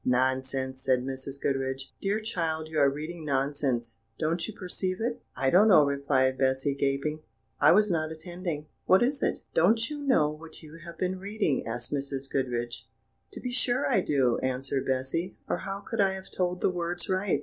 "Nonsense!" said Mrs. Goodriche; "dear child, you are reading nonsense; don't you perceive it?" "I don't know," replied Bessy, gaping; "I was not attending what is it?" "Don't you know what you have been reading?" asked Mrs. Goodriche. "To be sure I do," answered Bessy, "or how could I have told the words right?"